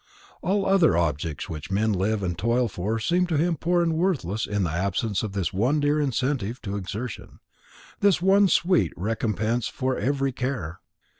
All other objects which men live and toil for seemed to him poor and worthless in the absence of this one dear incentive to exertion, this one sweet recompense for every care.